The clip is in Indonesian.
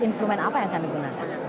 instrumen apa yang akan digunakan